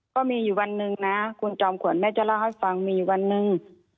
ก็มีอยู่วันหนึ่งนะคุณจอมขวัญแม่จะเล่าให้ฟังมีวันหนึ่ง